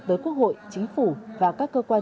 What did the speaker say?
tới quốc hội chính phủ và các cơ quan